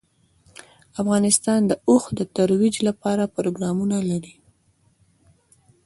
افغانستان د اوښ د ترویج لپاره پروګرامونه لري.